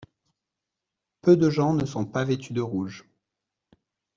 Peu de gens ne sont pas vêtus de rouge.